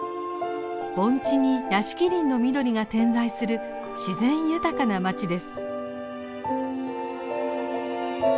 盆地に屋敷林の緑が点在する自然豊かな町です。